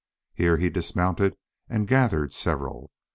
Here he dismounted and gathered several.